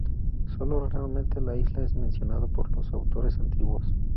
Sólo raramente la isla es mencionada por los autores antiguos.